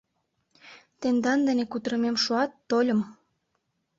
Тендан дене кутырымем шуат, тольым!.